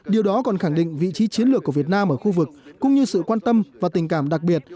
điều đó còn khẳng định vị trí chiến lược của việt nam ở khu vực cũng như sự quan tâm và tình cảm đặc biệt